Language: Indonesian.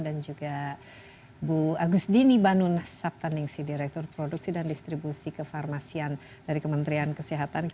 dan juga bu agus dini banu nasab taningsi direktur produksi dan distribusi kefarmasian dari kementerian kesehatan